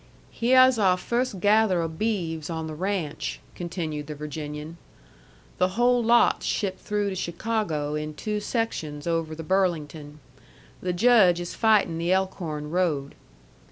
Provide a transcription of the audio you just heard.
"Hyeh's our first gather o' beeves on the ranch," continued the Virginian. "The whole lot's shipped through to Chicago in two sections over the Burlington. The Judge is fighting the Elkhorn road."